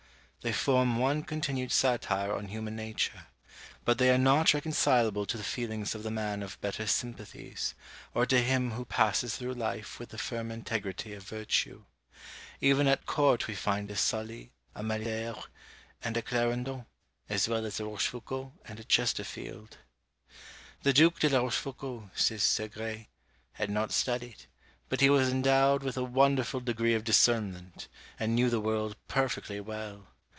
They form one continued satire on human nature; but they are not reconcilable to the feelings of the man of better sympathies, or to him who passes through life with the firm integrity of virtue. Even at court we find a Sully, a Malesherbes, and a Clarendon, as well as a Rouchefoucault and a Chesterfield. The Duke de la Rochefoucault, says Segrais, had not studied; but he was endowed with a wonderful degree of discernment, and knew the world perfectly well.